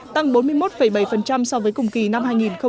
tăng bốn mươi một bảy so với cùng kỳ năm hai nghìn một mươi tám